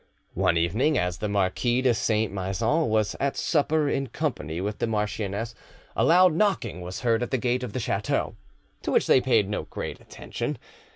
One evening, as the Marquis de Saint Maixent was at supper in company with the marchioness, a loud knocking was heard at the gate of the chateau, to which they paid no great attention.